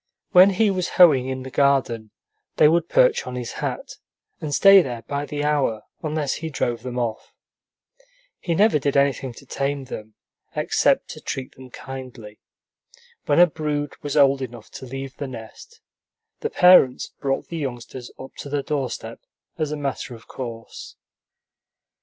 When he was hoeing in the garden, they would perch on his hat, and stay there by the hour, unless he drove them off. He never did anything to tame them except to treat them kindly. When a brood was old enough to leave the nest, the parents brought the youngsters up to the doorstep as a matter of course.